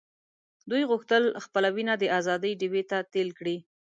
دوی غوښتل خپله وینه د آزادۍ ډیوې ته تېل کړي.